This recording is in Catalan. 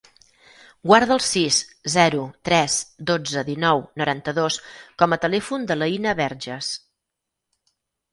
Guarda el sis, zero, tres, dotze, dinou, noranta-dos com a telèfon de l'Aïna Berges.